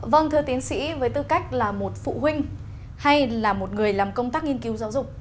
vâng thưa tiến sĩ với tư cách là một phụ huynh hay là một người làm công tác nghiên cứu giáo dục